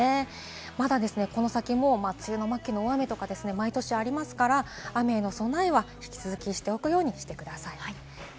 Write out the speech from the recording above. まだこの先も梅雨の末期の大雨とか毎年ありますから、雨への備えは引き続きしておくようにしてくださいね。